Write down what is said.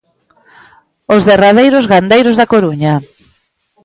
Os derradeiros gandeiros da Coruña.